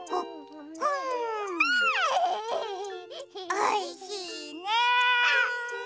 おいしいね！